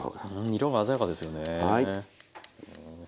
色が鮮やかですよね。